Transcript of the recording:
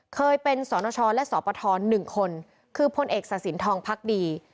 เคยเป็นสนชและสปท๑คนคือพลเอกสะสินทองพักดี